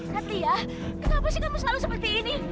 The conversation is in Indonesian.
satria kenapa sih kamu selalu seperti ini